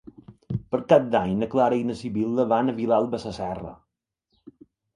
Per Cap d'Any na Clara i na Sibil·la van a Vilalba Sasserra.